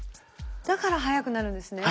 だから早くなるんですね。